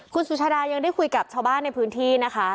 คุณสุชาดายังได้คุยกับชาวบ้านในพื้นที่นะคะ